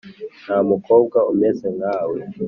ntamukobwa umeze nkawe